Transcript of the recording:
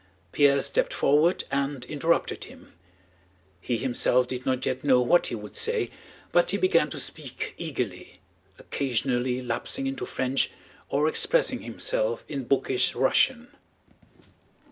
Pierre stepped forward and interrupted him. He himself did not yet know what he would say, but he began to speak eagerly, occasionally lapsing into French or expressing himself in bookish Russian.